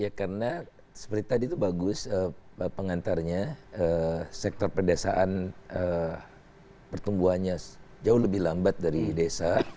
ya karena seperti tadi itu bagus pengantarnya sektor pedesaan pertumbuhannya jauh lebih lambat dari desa